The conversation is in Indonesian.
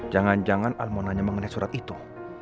jangan jangan al mau nanya mengenai surat itu